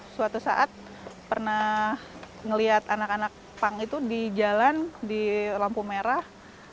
suatu saat pernah melihat anak anak pang itu di jalan di lampu merah